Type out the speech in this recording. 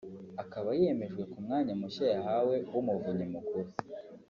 akaba yemejwe ku mwanya mushya yahawe w’Umuvunyi mukuru